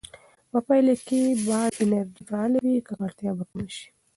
په پایله کې چې باد انرژي فعاله وي، ککړتیا به کمه شي.